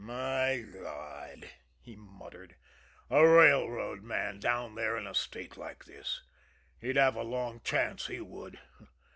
"My God," he muttered, "a railroad man down there in a state like this he'd have a long chance, he would!